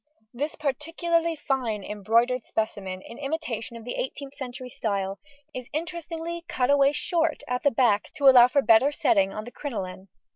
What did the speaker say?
This particularly fine embroidered specimen, in imitation of the 18th century style, is interestingly cut away short at the back to allow for better setting on the crinoline.